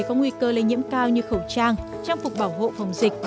có nguy cơ lây nhiễm cao như khẩu trang trang phục bảo hộ phòng dịch